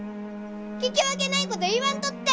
聞き分けないこと言わんとって！